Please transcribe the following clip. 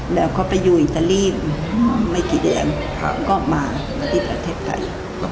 แล้วเขาไปอยู่อินเตอรี่ไม่กี่เดือนก็มาประเทศไทย